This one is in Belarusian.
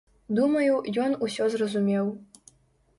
Думаю, ён усё зразумеў.